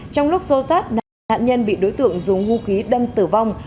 trong lúc do sát nạn nhân bị đối tượng dùng ngu khí đâm tử vong